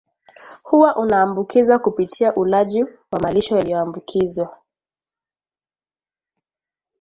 Huwa unaambukiza kupitia ulaji wa malisho yaliyoambukizwa